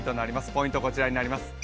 ポイント、こちらになります。